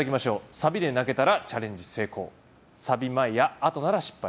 サビで泣けたらチャレンジ成功サビ前や後なら失敗。